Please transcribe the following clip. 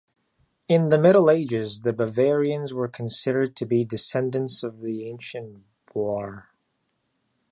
In the Middle Ages, the Bavarians were considered to be descendants of the ancient Boier.